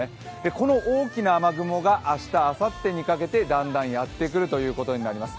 この大きな雨雲が明日、あさってにかけて、だんだんやってくるということになります。